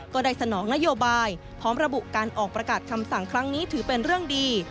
ก็ได้สนองนโยบายพร้อมระบุการออกประกาศคำสั่งครั้งนี้ถือเป็นเรื่องดี